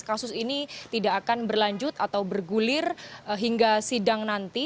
kasus ini tidak akan berlanjut atau bergulir hingga sidang nanti